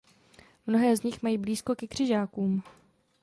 Mnohé z nich mají blízko ke křižákům.